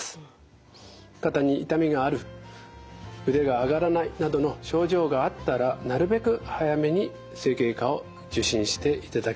肩に痛みがある腕が上がらないなどの症状があったらなるべく早めに整形外科を受診していただきたいと思います。